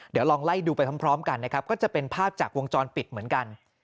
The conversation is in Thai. เดี๋ยวลองไล่ดูไปพร้อมกันนะครับก็จะเป็นภาพจากวงจรปิดเหมือนกัน